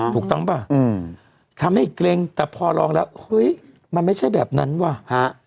ถูกต้องป่ะอืมทำให้เกร็งแต่พอลองแล้วเฮ้ยมันไม่ใช่แบบนั้นว่ะฮะ